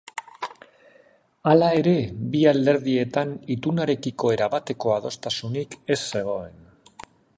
Hala ere, bi alderdietan itunarekiko erabateko adostasunik ez zegoen.